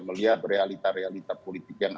melihat realita realita politik yang